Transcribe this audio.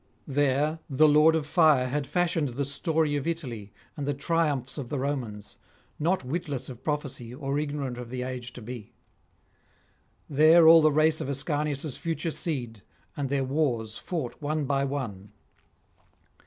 There the Lord of Fire had fashioned the story of Italy and the triumphs of the Romans, not witless of prophecy or ignorant of the age to be; there all the race of Ascanius' future seed, and their wars fought one by one.